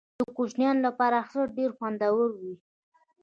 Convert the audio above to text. د کوچنیانو لپاره اختر ډیر خوندور وي.